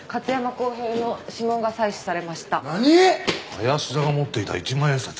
林田が持っていた一万円札に。